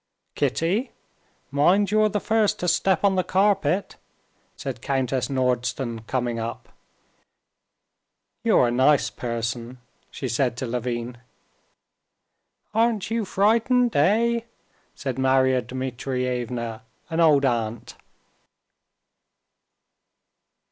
"Kitty, mind you're the first to step on the carpet," said Countess Nordston, coming up. "You're a nice person!" she said to Levin. "Aren't you frightened, eh?" said Marya Dmitrievna, an old aunt.